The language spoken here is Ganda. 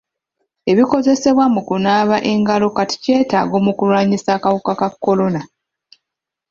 Ebikozesebwa mu kunaaba engalo kati kyetaago mu kulwanyisa akawuka ka kolona.